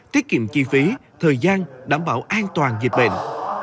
tiết kiệm chi phí thời gian đảm bảo an toàn dịch bệnh